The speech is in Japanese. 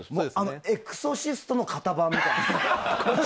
「エクソシスト」の型番みたいな？